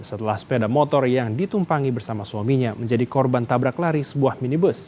setelah sepeda motor yang ditumpangi bersama suaminya menjadi korban tabrak lari sebuah minibus